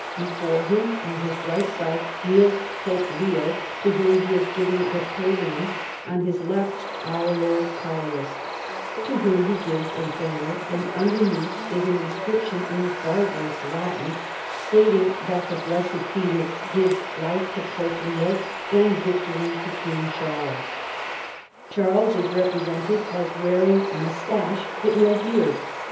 Before him, on his right, kneels Pope Leo, to whom he is giving the pallium ; on his left " our lord Carulus," to whom he gives a banner ; and underneath is an inscription in barbarous Latin stating that the blessed Peter gives life to Pope Leo and victory to King Charles, Charles is represented as wearing a CAROLUS AUGUSTUS. 243 moustache, but no beard.